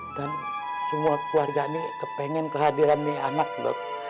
dan semua keluarga ini kepengen kehadiran nih anak dok